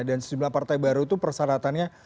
dan sejumlah partai baru itu persyaratannya